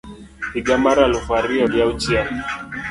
higa mar aluf ariyo gi Auchiel